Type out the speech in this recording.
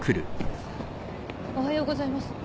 おはようございます。